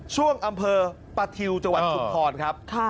ช่วงอำเภอปะทิวจังหวัดชุมพรครับ